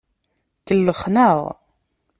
Kellxen-aɣ.